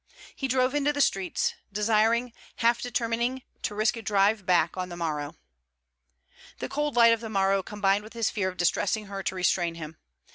He drove into the streets, desiring, half determining, to risk a drive back on the morrow. The cold light of the morrow combined with his fear of distressing her to restrain him.